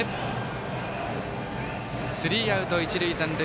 スリーアウト、一塁残塁。